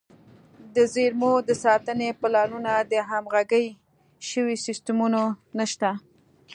د زیرمو د ساتنې پلانونه او همغږي شوي سیستمونه نشته.